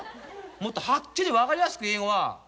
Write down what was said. もっとはっきり分かりやすく英語は。